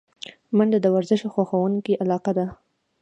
منډه د ورزش خوښونکو علاقه ده